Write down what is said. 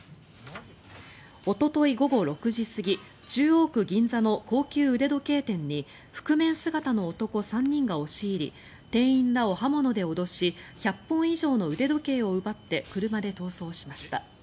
おととい午後６時過ぎ中央区銀座の高級腕時計店に覆面姿の男３人が押し入り店員らを刃物で脅し１００本以上の腕時計を奪って車で逃走しました。